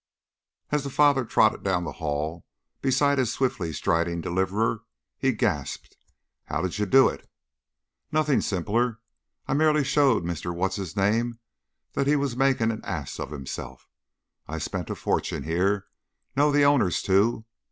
As the father trotted down the hall beside his swiftly striding deliverer, he gasped, "How'd you do it?" "Nothing simpler. I merely showed Mr. What's his name that he was making an ass of himself. I've spent a fortune here; know the owners, too.